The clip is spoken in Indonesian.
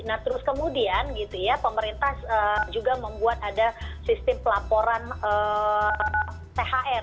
nah terus kemudian gitu ya pemerintah juga membuat ada sistem pelaporan thr